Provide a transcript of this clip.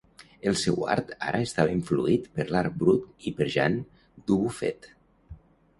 El seu art ara estava influït per l'art brut i per Jean Dubuffet.